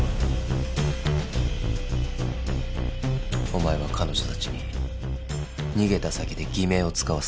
お前は彼女たちに逃げた先で偽名を使わせていた。